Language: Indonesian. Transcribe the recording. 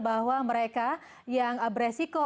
bahwa mereka yang beresiko